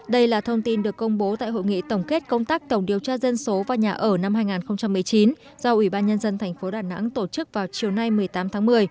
đây là thông tin được công bố tại hội nghị tổng kết công tác tổng điều tra dân số và nhà ở năm hai nghìn một mươi chín do ủy ban nhân dân thành phố đà nẵng tổ chức vào chiều nay một mươi tám tháng một mươi